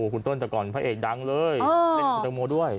คุณเติ้ลแต่ก่อนพระเอกดังเลยเล่นคุณตังโมด้วย